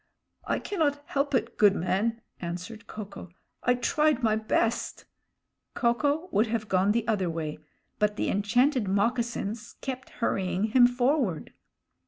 "I cannot help it, good man," answered Ko ko. "I tried my best " Ko ko would have gone the other way, but the enchanted moccasins kept hurrying him forward.